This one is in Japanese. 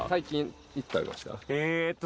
えっと